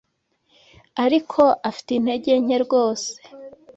Ariko afite intege nke rwose